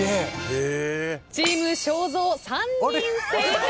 チーム正蔵３人正解。